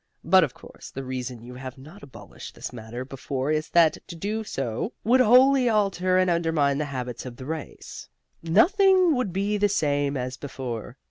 But, of course, the reason you have not abolished this matter before is that to do so would wholly alter and undermine the habits of the race. Nothing would be the same as before.